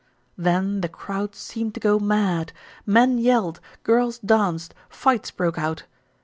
Then the crowd seemed to go mad. Men yelled, girls danced, fights broke out.